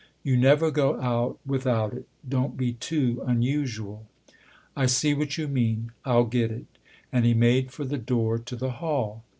"You never go out without it don't be too unusual." " I see what you mean I'll get it." And he made for the door to the hall.